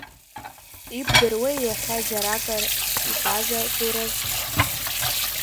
Ибдыруеи иахьа џьаракыр ибазар Гәыраз?